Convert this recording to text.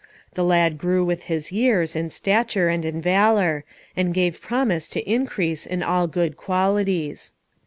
The lad grew with his years in stature and in valour, and gave promise to increase in all good qualities.